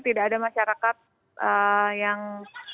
tidak ada masyarakat yang